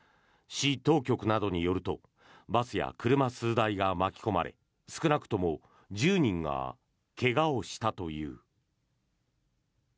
市当局などによるとバスや車数台が巻き込まれ少なくとも１０人が怪我をしたという。